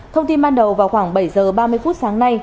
thông tin ban đầu vào khoảng bảy giờ ba mươi phút sáng nay